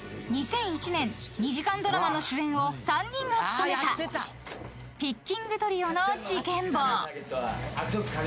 ［２００１年２時間ドラマの主演を３人が務めた『ピッキングトリオの事件簿』］